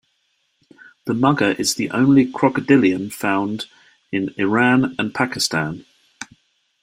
The mugger is the only crocodilian found in Iran and Pakistan.